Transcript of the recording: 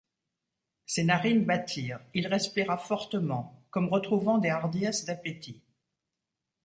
Ses narines battirent, il respira fortement, comme retrouvant des hardiesses d’appétit.